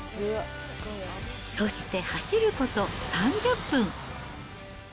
そして、走ること３０分。